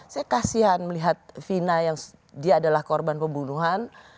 saya kasihan melihat vina yang dia adalah korban pembunuhan